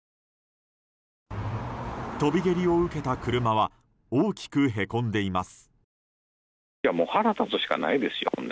飛び蹴りを受けた車は大きくへこんでいます。